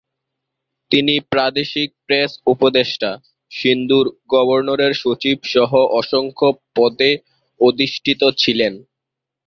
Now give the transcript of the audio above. তিনি প্রাদেশিক প্রেস উপদেষ্টা, সিন্ধুর গভর্নরের সচিব সহ অসংখ্য পদে অধিষ্ঠিত ছিলেন।